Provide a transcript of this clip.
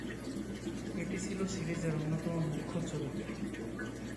এটি ছিল সিরিজের অন্যতম মুখ্য চরিত্র।